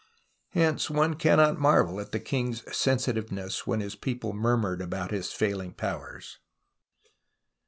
Hence one cannot marvel at the king's sensitiveness when his people murmured about his failing powers.